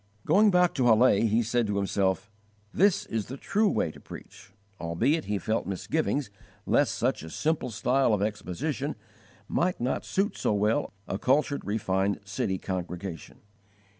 Going back to Halle, he said to himself, 'This is the true way to preach,' albeit he felt misgivings lest such a simple style of exposition might not suit so well a cultured refined city congregation.